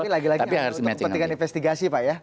tapi lagi lagi untuk kepentingan investigasi pak ya